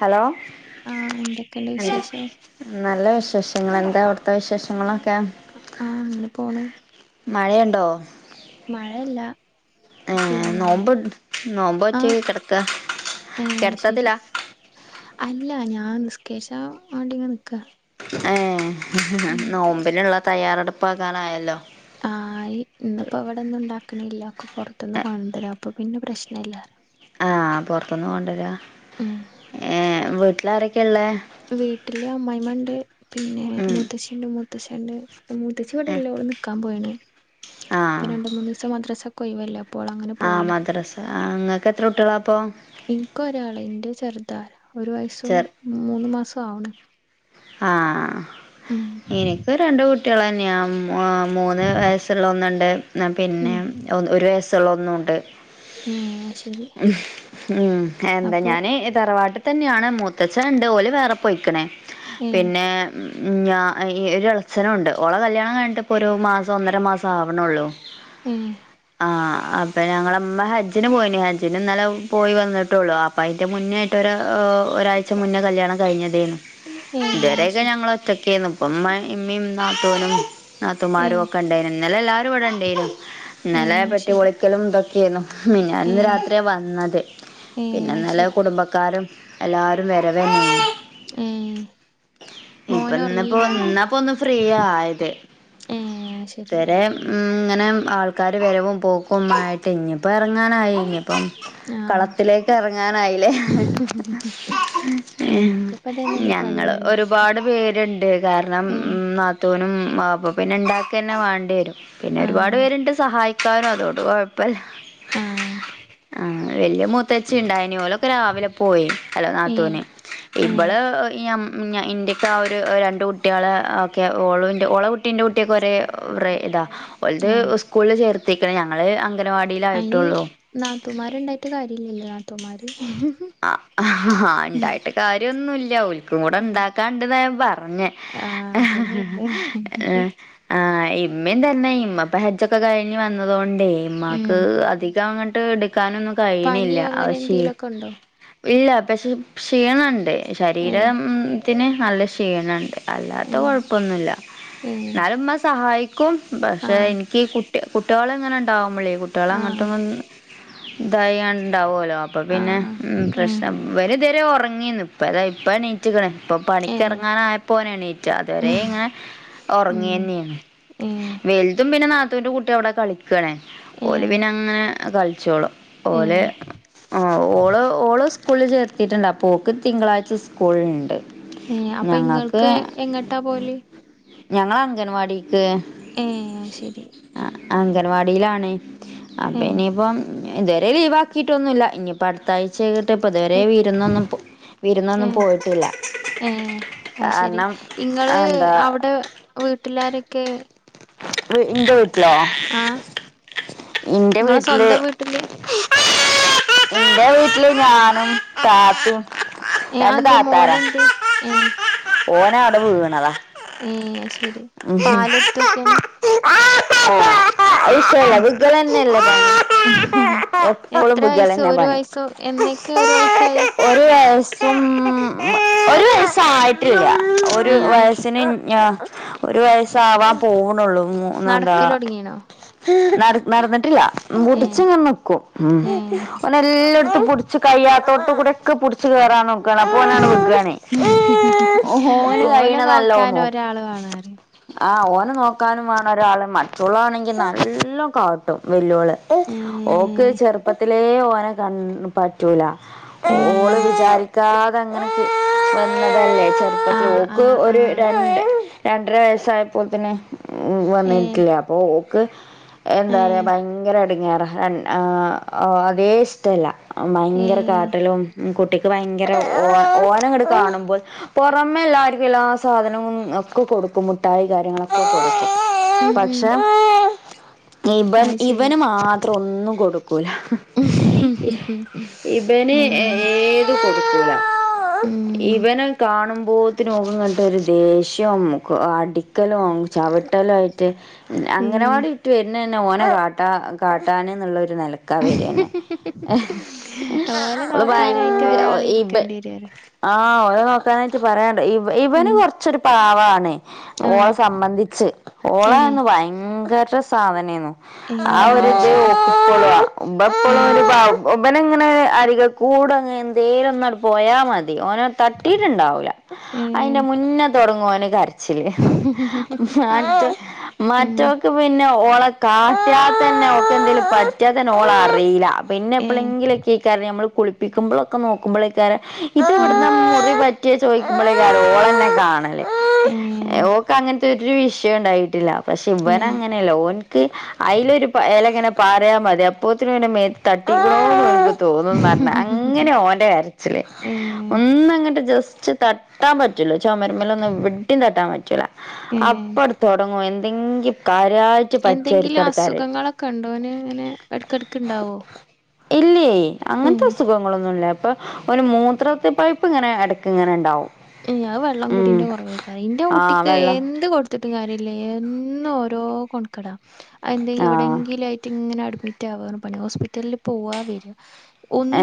Hello ആഹ് എന്തൊക്കെയുണ്ട് എന്താ വിശേഷം നല്ല വിശേഷ ങ്ങളെന്താ അവ്ട്ത്തെ വിശേഷങ്ങൾ ആ അങ്ങനെ പോണ് മഴയ്ണ്ടോ മഴ ഇല്ല ഏ നോമ്പ് ണ്ട് നോമ്പോറ്റ് കെടക്കാ ഏ ശെരി അല്ല ഞാൻ നിസ്കരിചാം വാണ്ടിങ്ങനെ നിക്കാ ഏ ഉം നോമ്പിൻള്ള തയ്യാറെടുപ്പാകാനായല്ലോ ആയി ഇന്നിപ്പോ വ്ടെന്നും ണ്ടാക്ണില്ല ഒക്കെ പൊർത്ത്ന്ന് കൊണ്ടരാപ്പൊഅപ്പോ പിന്നെ പ്രശ്നല്ലാ ആഹ പൊർത്ത്ന്ന് കൊണ്ടരാ ഉം ഏ വീട്ടിലാരക്കെ വീട്ടില് അമ്മായ്മണ്ട് പിന്നെ ഉം മുത്തശ്ശിണ്ട് മുത്തശ്ശണ്ട് മൂത്തചിവ്ടെ ഏ ഇല്ല ഓൾ നിക്കാ പോയിണ് ആ ഇപ്പൊ രണ്ട് മൂന്നീസം മദ്രാസൊക്കെ ഒയിവല്ലേ അപ്പോ ഓള് അങ്ങനെ ആ പോയിണ് മദ്റസ ആ ങ്ങക്ക് എത്ര കുട്ടിയാളാപ്പൊ ഇൻക്ക ഒരാള് ന്റെത് ചെർതാ ഒരു വയസ്സും ചെർ മൂന്ന് മാസാവണ് ആ എനിക്ക് രണ്ട് കുട്ടിയാളന്നെയാ ആ മൂന്ന് വയസ്സുള്ള ഒന്നുണ്ട് പിന്നെ ഒരു വയസ്സുള്ള ഒന്നുണ്ട് ഏശെ മ് എന്താ ഞാന് തറവാട്ട് തന്നെയാ ങ്ങ മൂത്തഛൻ ണ്ട് ഓൽ വേറെ പൊയിക്ക്ണ് ഏ പിന്നെ ഞ അ എയ് ഒരളച്ചനുണ്ട് ഓളെ കല്യാണയ്ഞ്ഞിട്ട് പ്പൊരു മാസം ഒന്നര മാസം ആവണ്ള്ളൂ ആ [unintelligible] അപെ ഞങ്ങളമ്മ ഹജ്ജിന് പോയിന് ഹജ്ജ പിന്നെന്നലെ പോയി വന്നിട്ടൊള്ളൂ അപ്പൊ അയിന്റെ മുന്നേയിട്ട് ഒരാഴ്ച മുന്നേ കല്യാണം കഴിഞ്ഞതേനു ഏ അത് ത്‌വരൊക്കെ ശരി ഞങ്ങൾ ഒറ്റക്കേര്ന്നു ഇപ്പം മ്മേ ഇമ്മിം നാത്തൂനും ഏ നാതുമാരും ഒക്കെ ണ്ടെയ്നു ഇന്നലെ ല്ലാവാരും ഇവ്ടെ ണ്ടേയിനു ഏ ഇന്നലെ അത് വെട്ടി ശരി പൊളിക്കലും തൊക്കെ ര്ന്നു ഏ മിഞ്ഞാന്ന് രാത്രിയാ വന്നത് ഏ പിന്നെ അത് ന്നലെ ശരി കുടുംബക്കാരും അല്ലാരും വരവന്നേനി ഏ മോന് ഇപ്പൊന്നപ്പോൊ ഉറങ്ങിയില്ല നിന്നാപ്പൊ ഒന്ന് ഫ്രീ ആയത് ഏ ശെരി ങ്ങനെ ആൾക്കാാര് വരവും പോക്കു ആയിട്ട് ഇഞ്ഞിപ്പം എറങ്ങാനായി ഇനിപ്പം ആ കളത്തിലേക്ക് എറങ്ങാനായില്ലേ ഞമ്മക്കിപ്പ ഇതന്നെല്ലേ പണി ഞങ്ങ അറിയ ഒരുപാട് പേര്ണ്ട് കാരണം ഏ നാത്തൂനും മാപ്പ പിന്നെ ണ്ടാക്കെന്നെ വാണ്ടി രും പിന്നെ ആ ഒരുപാട് പേരുണ്ട് സഹായിക്കാനും അതോട് കൊഴപ്പല്ല ആ ആ വല്യയ മൂത്തച്ചി ണ്ടായ നീ ഓലൊക്കെ രാവിലെ പോയി അല്ല ഏ നാത്തൂന് ഏ ഇബള് ഞമ് ഇന്റെക്കെ ആ ഒരു രണ്ട് കുട്ടിയാൾ ഓക്കെ ഓള്ൻ്റെ ഓളെ കുട്ടിം ന്റ കുട്ടിയൊക്കെ ഒരേ വറേ ഇതാ ഓലത് ഏ സ്കൂളില് ചേർത്തിക്ക്ണ് ഞങ്ങള് അംഗൻവാടി ലായിട്ടുള്ളൂ ട്ട്ണ്ടായിട്ട് കാര്യില്ലല്ലോ നാത്തൂ മാര് ആ ആഹ ണ്ടായിട്ട് കാര്യന്നുല്ല ഓൽക്കുംടെ ആ ഇണ്ടാക്കാണ്ട് റഞ്ഞെ ആ, അതന്നെ പറഞ്ഞേ ആഹ് ഇമ്മയും തന്നെ ഇമ്മിപ്പ ഹെജ്ജൊക്കെ കഴിഞ്ഞ് വന്നതോണ്ടേ ഉം ഇമ്മാക്ക് അധികം അങ്ങട്ട് എട് ക്കാനൊന്നും കഴിയണില്ല പനിയോ അങ്ങനെ അയ് ക്ഷീ എന്തെലൊക്കെ ഉണ്ടോ ഇല്ല പക്ഷെ ക്ഷീണണ്ട് ഏ ശരീരം ത്തിന് നല്ല ക്ഷീണെണ്ട് അല്ലാത്ത ഏ കൊഴപ്പൊന്നുല്ല ഏ എന്നാലും ഉമ്മ സഹായിക്കും പക്ഷെ ആ എനിക്ക് കു ട്ടി കുട്ടികൾ ഇങ്ങനെ എണ്ടാവും മ്മളേ ആഹ് കുട്ടികളങ്ങട്ടും ഒൻ ഇതായി ഇണ്ടാവോല്ലോ അപ്പൊ പിന്നെ ആഹ് ഉം ആഹ് പ്രശ്നം ഇവനിത് വരെ ഒറങ്ങീന്ന് ഇപ്പ ദേ ഇപ്പ എണീറ്റിക്കണ് ഇപ്പൊ ഏഹ് പണിക്കെറങ്ങാനയപ്പൊ ഓനെണീറ്റ അതുവരേ ഇങ്ങനെ ഉം ഒറങ്ങന്നേണ് ഏഹ് വലുതും പിന്നെ നാത്തൂന്റെ കുട്ടി അവിടെ കളിക്കണ് ഓല് ഏഹ് പിന്നെ അങ്ങനെ കളിച്ചോളും ഓല് ഏഹ് ആഹ് ഓള് ഓള് സ്കൂളിൽല് ചേർത്തിട്ടിണ്ട് അപ്പോക്ക് തിങ്കളാഴ്ച്ച സ്കൂളിണ്ട് ഏഹ് അപ്പൊ ഇങ്ങൾക്ക് എങ്ങട്ടാ പോവല് ഞങ്ങളങ്കൻവാടീക്ക് ഏഹ് അത് ശരി അഹ് അംഗനവാടിയിലാണ് അപ്പൊ ഏഹ് ഇനിപ്പം ഇതുവരെ ലീവാക്കിട്ടൊന്നുല്ല ഇനീപ്പ അടുത് ത്താഴ്ച്ചയാകട്ടെ, ഇപ്പോ ഇതുവരെ വിരുന്നൊന്നും വിരുന്നൊന്നും പോയിട്ടില്ല. ഉം അയ് ശെരി കാരണം ഇങ്ങള് എന്താ അവിടെ വീട്ടിലാരൊക്കെ വീ ഇന്റെ വീട്ടിലോ? ആഹ് ഇന്റെ ഇങ്ങളെ വീട്ടില് സ്വന്തം വീട്ടില് എന്റെ വീട്ടില് ഞാനും കാത്തും ഏ ആന്തേ മോന എന്തേ ഏ ഓനവടെ വീണതാ അത് ശരി പാലൊടുത്തോക്കിയാണ് [unintelligible] ഉഹും എപ്പോഴും എത്ര ബിഗൽ വയസ്സോ തന്നെ ഒരു പണി വയസോ എന്നക്കെ ഒരു വയസ്സായി ഒരു വയസ്സും ഒരു വയസ്സായിട്ടില്ല ഒരു ഏഹ് ആയി വയസ്സിന് ഞ്ഞ് ഓ ആവാൻ പോകുന്നുള്ളൂ എന്താ നടക്കലൊടങ്ങീണോ നടന് നടന്നിട്ടില്ല ഏഹ് പുടിച്ച്ങ്ങനെ നിക്കും ഏഹ് ഓൻ എല്ലായിടത്തും പുടിച്ച് കയ തോട്ട് കൂടി ഒക്കെ പുടിച്ച് കയറാനും കണ പ്പോനാവടേ വികാണേ ഓന് ഓലെ കയ്യിണതല്ല ഓൻ നോക്കാൻ നോക്ക് ഒരാള് വേണാറ് ആ ഓനെ നോക്കാനും വേണം ഒരാള് മറ്റൊളാണെങ്കിൽ നല്ലോം കാട്ടും വെല്ല്യോൾ ഏ ഓക്ക് ചെറുപ്പത്തിലേ ഓനെ കൺ പറ്റൂല ഏ ഓള് വിചാരിക്കാതെ അങ്ങനെ കി വന്നതല്ലേ ആ ആ ചെറുപ്പോ ആ ഒരു രണ്ട് രണ്ടര വയസ്സായപ്പോത്തിന് മം ഏ വന്നിട്ടില്ല അപ്പൊഓക്ക് എന്താ ഏ പറിയാ ഭയങ്കരമായിട്ട [unintelligible] [unintelligible] ആദ്യയെ ഇഷ്ടല്ല ഏ ഭയങ്കര കാട്ടലും കുട്ടി ഭയങ്കര ഓ ഓനങ്ങട് കാണുമ്പോൾ പുറമെ എല്ലാർക്കും എല്ലാ സാധനങ്ങളും ഒക്കെ കൊട് ഉക്കുമുട്ടായി കാര്യങ്ങളൊക്കെ കൊടുക്കും ഉം ഉം പക്ഷെ ഇവൻ അത് ശരി ഇവന് മാത്രം ഒന്നും കൊടുക്കൂല ഇവന് ഉം ഏത് കൊട്ക്കൂല ഉം ഇവനെ കാണുമ്പോ അപ്പൊത്തിനോക്ക്ങ്ങട്ട് ഒരു ദേഷ്യവും അടിക്കലും ചവി ലായിട്ട് ഏ അംഗനവാടി വിട്ട് വരുന്ന തന്നെ ഓനെ കാട്ടാ കാട്ടാന് എന്നുള്ള നെലക്കാ വെരന്നെ എഹ് ഓലെ ഓള് നോക്കാനായിട്ട് ഒരാള് ഭയങ്കര ഇരിക്കേണ്ടി വരും പറയാ ആ [unintelligible] അത് നോക്കാനായിട്ട് പറയാൻണ്ടോ ഇവന് ഇവന് ഉം കുറച്ചൊരു പാവാണ് ആ ഓളെ സംബന്ധിച്ച് ഏ ഓളന്ന് ഭയങ്കര സാധനെന്നു ഏ ആ ഒരു അത് ഇത് ശരി ഏ ഓൾക്കിപ്പളു ആ ഇബനങ്ങനെ അരികൾക്കൂടങ്ങ എന്തേും ഒന്ന പോയാൽ മതി ഓനെ തട്ടിട്ടുണ്ടാവുല ഏ അതിന്റെ മുന്നേ തുടങ്ങുഓൻ കരച്ച [unintelligible] ഏ മറ്റോക് പിന്നെ ഓളെ കാട്ട്യാ തന്നെ ഓൾക്ക് എന്തേിലും പറ്റിയാത്തന്നെ ഓള് അറിയില്ല പിന്നെ ഏ എപ്പോഴെങ്കിലൊക്കെക്കാര നമ്മള് കുളിപ്പിക്കുമ്പോഴൊക്കെ നോക്കുമ്പോഴ ക്കാരെ ഇത് ഇവിടുന്ന് മുറി പറ്റിയ ചോദിക്കുമ്പോളേ രോള തന്നെ കാണണ് ഏ ഓക്ക് അങ്ങനത്തെ ഒരു വിഷയം ഉണ്ടായിട്ടില്ല പക്ഷെ ഏ ഇവനങ്ങനെയല്ല, ഓനിക്ക് അതിലൊരുയെലയങ്ങനെ പാറിയാ മതി അപ്പോത്തിനും മേത്ത് തട്ടിയേക്കണുന്ന് [unintelligible] തോന്നന്ന് പറഞ്ഞ അങ്ങനാ ഓന്റെ കരച്ചില്, ഏഹ് ഒന്നങ്ങട്ട് ജസ്റ്റ് തട്ടാൻ പറ്റ റ്റില്ല. ചൊമരുമേലൊന്നും എവിടേം തട്ടാൻ പറ്റൂല, ഏഹ് അപ്പട് തൊടങ്ങും എന്തെങ്കീ എന്തെങ്കിലും അസുഖങ്ങളൊക്കെ ഉണ്ടോ ഓന്? ഇങ്ങനെ എടെക്കെടയ്ക്കുണ്ടാവോ? ഇല്ലേ അങ്ങനത്തെ അസുഖങ്ങളൊന്നുംല്ല ഇപ്പൊ ഓന് മൂത്രത്തി പഴുപ്പ് ഇങ്ങനെ എടക്കിങ്ങനെ ഉണ്ടാവും. [unintelligible] വെള്ളം കുടീന്റെ കുട്ടീന്റെ കുറവായിക്കാറും, എന്റെ ആഹ് കുട്ടിക്ക് വെള്ളം എന്ത് കൊടുത്തിട് ടും കാര്യല്ല, എന്നും ഓരോ കൊണക്കേടാ, അതിന്റെ ആഹ് എവിടെങ്കിലും ആയിട്ടു ഇങ്ങനെ അഡ്മിറ്റാവാണ് പണി, ഹോസ്പിറ്റലിൽ പോവാ വരാ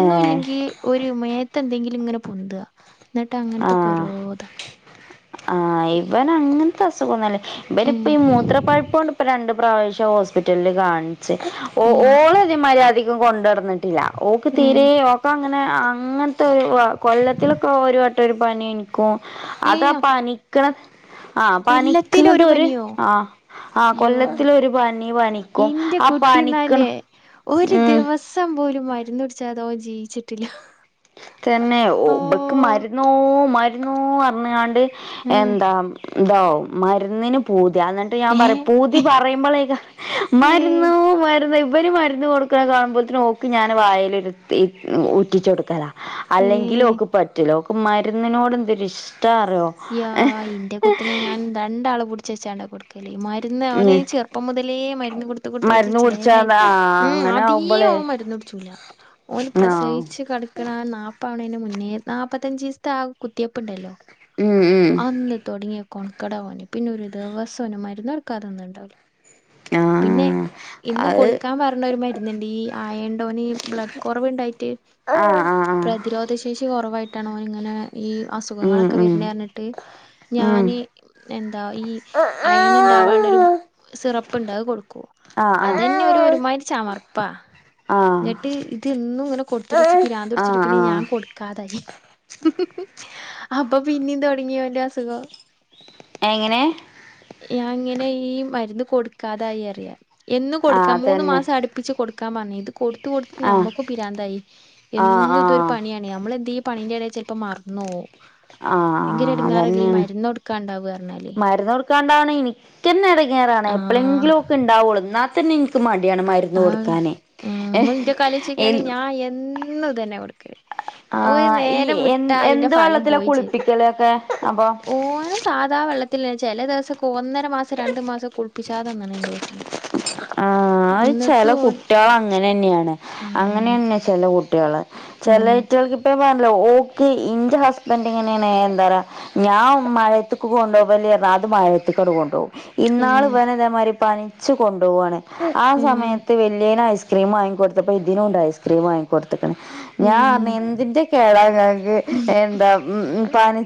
ഏഹ് ഒരുമേ എന്തെങ്കിലും ഇങ്ങനെ പൊന്തുക എന്നിട്ട് അങ്ങനത്തോക്കെ ആഹ് ഓരോതാ ആഹ് ഇവന ങ്ങനത്തെ അസുഖോന്നില്ല ഇവനി ഇപ്പ ഏഹ് ഈ മൂത്ര പ്പഴുപ്പോണ്ട് ഇപ്പ രണ്ട ഇപ്രാവശ്യം ഹോസ്പിറ്റലില് കാണി ച്ച്, ഏഹ് ഓളെ ഇതേ മാതിരി അധികം കൊണ്ടുനടന്നിട്ടില്ല, ഓക്ക് ഏഹ് തീരെ ഓക്കങ്ങനെ അങ്ങനത്തെ ഒരു കൊല്ലത്തിലൊക്കെ ഒരു വട്ടം ഒരു പനി ഇനിക്കും, ഏഹ് അതപ്പ പനിക്കണ് ആഹ കൊല്ലത്തിലൊരു പനിക്കണതൊര് പനിയോ? ആ ആ് യ്യോ കൊല്ലത്തിലൊ രു പനി പനിക്കും ഇന്റെ ആ കുട്ടിന്നാലേ പനിക്കണം ഒരു ഉം ദിവസം പോലും മരുന്ന് പിടിച്ചാതോ ജീവിച്ചിട്ടില്ല തന്നെ ഓ ഇബക്ക് മരുന്നോ മരുന്നു പറഞ്ഞാണ്ട് ഉം എന്താ ന്തോ മരുന്നിന് പൂ - [unintelligible] എന്നിട്ട് ഞാൻ ഏ പറയും പൂതി പറയുമ്പോളേക്കാ ഏ മരുന്നു മരുന്ന് ഇവര് മരുന്നു കൊടുക്കാണ കാണുമ്പോഴതിന് ഓക്ക് ഞാൻ വായില് ഒരിത്തി ഇറ്റിച്ചു കൊടുക്കലാ. ഏ അല്ലെങ്കിൽ ഓക്ക് പറ്റൂലഓക്ക് മരുന്നിനോട് എന്തൊരിഷ് ഇയാ ഇന്റെ കുട്ടിനെ ഞാൻ രണ്ടാള് പുടിച്ച് വെച്ചോണ്ടാ കൊടുക്ക [unintelligible] മരുന്ന് അവനീ ഉം ചെറുപ്പം മുതലേ മരുന്ന് കൊടുത്ത് കൊടുത്ത് മരുന്ന് കുടിച്ചാ ചേലായി ആ ഉം അങ്ങനെ അതേ ഇപ്പൊ ആവുമ്പളേ ഓൻ മരുന്നു കുടിച്ചൂല ഓന് ആ പ്രസയിച്ച് കെടക്കണ ആ നാ പവണേന് മുന്നേ നാല്പ്പത്തഞ്ചിസത്തെ ആ കുത്തിയപ്പ ഉണ്ടല്ലോ ഉം ഉം അന്ന് തുടങ്ങിയ [unintelligible] പിന്നെ ഒരു ദിവസോന് മരുന്ന് കൊടുക്കാതെ ഒണ്ടാവൂല. ആഹ ഇന്ന് കൊടുക്കാൻ പറഞ്ഞ ഒരു മരു ന്ന്ണ്ട് ഈ ആയണ്ടോന് ബ്ലഡ് കുറവു ണ്ടായിട്ട് ആ ആ ആ പ്രതിരോധ ശേഷി കൊറവായിട്ടാണോനിങ്ങനെ ഈ ഉം അസുഖങ്ങളൊക് ക്കെ ഉം വര്ന്നർഞ്ഞിട്ട് ഉം ഞാന് എന്താ ഈ ആഹ് അയൺ ഇണ്ടാവാള്ളരു സിറപ്പ്ണ്ട് അഅ് കൊടുക്കും അതന്നെ ഒരു ആഹ് ഒരുമായ്രി ചമർപ്പാ ന്നട്ട് ആഹ് ഇതെന്നും ഇങ്ങനെ കൊട്ത്ത്ട്ട്ച്ച് പിരാന്തുട്ച്ചിട്ട് ആഹ് പിന്നെ ആഹ് ഞാൻ കൊടുക്കാതായി അപ്പ പിന്നിം തൊടങ്ങി ഓന്റെ അസുഖം എങ്ങനെ യഅങ്ങനെ ഈ മര്ന്ന് കൊടുക്കാതായിയർയാ എന്നും ആഹ് കൊടുക്കാം മൂന്ന് അതന്നെ മാസം അടുപ്പിച്ച് കൊടുക്ക് കൊടുക്കാൻ പറഞ്ഞിത് കൊടുത്ത് കൊടുത്ത് ആഹ് നമ്മക്ക് പിരാന്തായി ആഹ് ആഹ് എന്നും ഇതൊരു ആഹ് പണിയാണ് നമ്മൾ എന്തേയ്യും പണിന്റെ ഇടയിൽ ചിലപ്പോൾ മറന്നോവും ആഹ് ആഹ് അതന്നെണ് കൊടുക്കാണ്ടാവ പറഞ്ഞാല് മരുന്ന് കൊടുക്കാണ്ടാണ് ഇനിക്കന്നെ എടങ്ങ്യാറാണ് ആഹ് എപ്പളെങ്കിലും ഓക്ക് ഇണ്ടാവുള്ളൂ ഇന്നാ- ത്തന്നെ ഇൻക്ക് മട് ആഹ ഉ മുറ്റ കലിച്ചൊക്കണെങ്ക ഞാൻ എന്ന് തന്നെ കൊടു ഒരു ആഹ് ഈ നേരം എ വിട്ടാ അയിന്റെ എന്ത് ഫലം വെള്ളത്തിലാ പോയി ചെയ്ത് കുളിപ്പിക്കലൊക്കെ അപ്പൊ ഓന് സാധാ വെള്ളത്തില് ചെല ദെവസെക്കെ ഒന്നര മാസം രണ്ട് മാസം കുളിപ്പിച്ചാതന്ന്ണ് എന്റെ കുട്ട് ആഹ് അഅ് ചെല ഓൻ കുട്ട്യാള അങ്ങനെന്ന്യേണ് ഉം അങ്ങനെന്നെ ചെല കുട്ട് കുട്ട്യോള് ഉം ചെലറ്റൾക്ക ഇപ്പ ഓക്ക് ഇന്റെ ഹസ്ബന്റ് ഇങ്ങനെയ എന്താ പറാ ഞാൻ മഴയ ത്തക്ക് കൊണ്ടുവലെന്ന പറ അത് മഴത്ത് ക്കങ്ങട് കൊണ്ടോവും ഇന്നാള് ഏഹ് ഇവന് ഇതേമാതിരി പനിച്ചു കൊണ്ടോവാണ് ആ ഉം സമയത്ത് വെല്യേനെ ഐസ്ക്രീ വാങ്ങിക്കടുത്തപ്പോ ഇതിനുംണ്ട് ഐസ്ക്രീം വാങ്ങിക്കട് ഞാൻ ഉം പറഞ്ഞ് എന്ത്‌ന്റെ കേടാ ഇങ്ങൾക്ക് എന്താ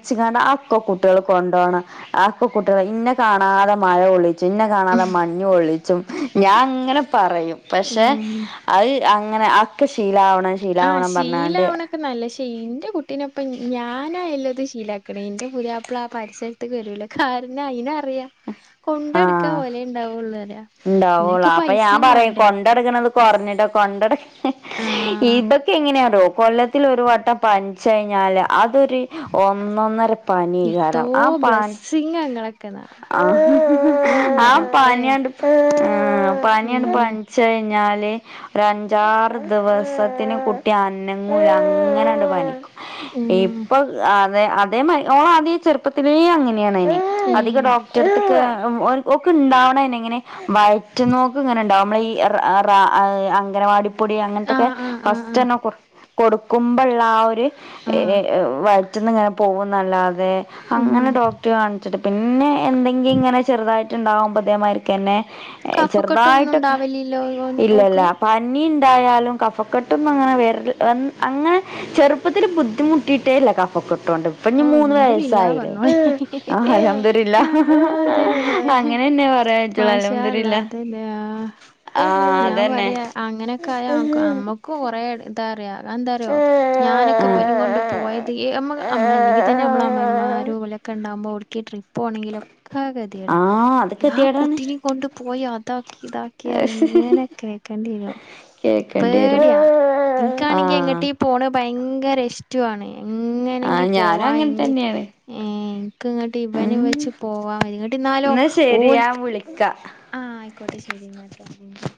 ച് ക്കാണ്ട് അക്കെ കുട്ടികൾ കൊണ്ടോണം അക്കെ കുട്ടികൾ ഇന്നെ കാണാതെ മയകൊള്ളി ച്ചും ഇന്നേ കാണാതെ മഞ്ഞെള്ളിച്ചും ഞാൻ ഇങ്ങനെ പറയും പക്ഷെ ഉം അത് അങ്ങനെ അക്കെ ശീലാവണം ആ ശീലാവണം പറഞ്ഞണ്ട് ശീലാവണൊക്കെ നല്ല ഇന്റെ കുട്ടിനൊപ്പം ഞാനായില്ലത് [unintelligible] ഇന്റെ പുതിയപ്പള ആ പരിസരത്തക്ക് വരൂല്ല കാരണം അയിന് പറിയ കൊണ്ടട്ക്കാൻ ഓലെ ഉണ്ടാവുള്ളൂന്നറിയ ഇണ്ടാവോള്ളൂ അപ്പൊ ഞാൻ പറയാ കൊണ്ടടക്കണത് കുറഞ്ഞിട്ടാ കൊണ്ടട ആഹ് ഇതൊക്കെ എങ്ങനെയാ [unintelligible] കൊല്ലത്തിലൊരു വട്ടം പൻച് കഴിഞ്ഞാല് അതൊരു ഒന്നൊന്നര എത്തോ പനിയെക്കാരം ആ പനി ബ്ലെസ്സിങ്ങാ ഇങ്ങളൊക്കെന്നാ ആ ഈ ഇന്റെ ആ റബ്ബേ പനിയണ്ട് ഇപ്പ ആ പനിയാണ് ഉം പൻച്യിഞ്ഞാൽ ഒര അഞ്ചാറ് ദിവസത്തിന് കുട്ടി അനങ്ങൂല അങ്ങനെണ്ട് പനിക്കും ഉം ഇപ്പൊ അതെ അതേമായ് ഓളാദ്യ ചെറുപ്പത്തിലെ അങ്ങനെ അധിക ഉം ഡോക്ടറട്ത്ത്ക്ക് ഓൾക്ക് ഇണ്ടാവങ്ങനെ വയറ്റ്ന്നൊക്ക് ഇങ്ങനെണ്ടാവും നമ്മള ഈ റാ ആഹ് അംഗനവാടി പൊടി അങ്ങനത്തൊക്കെ ആഹ് ആഹ് ആഹ് ആഹ് ഫസ്റ്റ്ന്നെ കുറ കൊടുക്കുമ്പോഴള്ള ആ ഒരു ആഹ് വഴറ്റന്ന് ഇങ്ങനെ പോകും നല്ലാ അതെ ഉം അങ്ങനെ ഡോക്ടർ കാണിച്ചിട്ട് പിന്നെ എന്തെങ്കി ഇങ്ങനെ ചെറുതായിട്ട്ണ്ടകുമ്പോ അതേ കഫക്കെട്ടൊന്നും ചെറുതായിട്ടൊക്കെ ഉണ്ടാവലില്ലോ ഓന് ഇല്ലല്ല ഓക്ക് പനി എന്തായാലും കഫക്കെട്ടും അങ്ങനെ അങ്ങനെ ചെറുപ്പത്തിൽ ബുദ്ധിമുട്ടിയിട്ടേല്ല കഫക്കെട്ടും ഇപ്പം ഞ്ഞി ഓ മൂന്ന് അൽഹംദുലില്ലാ വയായില്ലേ പറഞ്ഞോളി. അൽഹം ദുലില്ല ആ അതന്നെ. അ എന്നെ വറെ മാഷാ അള്ളാ അതെന്നെ ആഹ് ഞാൻ അതന്നെ പറയാ അങ്ങനെയൊക്കെ ആയാ നക്ക് നമ്മക്ക് കുറെ എന്താറ എന്താറോ ഞാനൊക്കെ ബനിം കൊണ്ട് ആഹ് പോയത് നമ്മള് അല്ലെങ്കിൽ തന്നെ ആഹ് അമ്മായിമ്മമാരും ഓലൊക്കെ ണ്ടാകുമ്പോ ഒട്ക്കേലും ട്രിപ്പ് പോണമെങ്കിലൊക്കെ ഗത്യേടാ അത് ആ കെതിയേടാണ് കുട്ടിനെ കൊണ്ട് പോയി അതാ ഇതാക്കി ഇങ്ങനെയക്കെ കേക്കേണ്ടി വരുമ്പോ കേക്കേണ്ടി വരും പേടിയാ ൻക്കാണെങ്കി ആഹ് എങ്ങട്ടോപോണ് ഭയങ്കര ഭയങ്കര ഇഷ്ടമാണ് ആഹ് എങ്ങനെങ്കി ഞാനും പോവാ അങ്ങനെ എങ്കിൽ തന്നെയാണ് ഏ ഇങ്ങോട്ട് ഇവന് ഉം വെച്ച് പോവാൻ മതി ഇങ്ങട്ട് എന്നാലോ എന്നാ ശരി ഓൽ ഞാൻ വിളിക്കാ ആഹ് ആയിക്കോട്ടെ ശരിന്ന കേട്ടോ ഉം